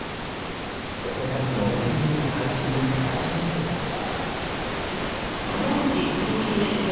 路線バスの減便や廃止に街の人たちは。